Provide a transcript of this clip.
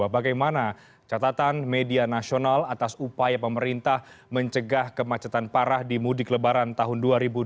bagaimana catatan media nasional atas upaya pemerintah mencegah kemacetan parah di mudik lebaran tahun dua ribu dua puluh